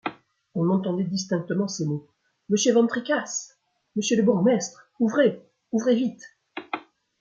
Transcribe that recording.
On entendait distinctement ces mots :« Monsieur van Tricasse ! monsieur le bourgmestre ! ouvrez, ouvrez vite !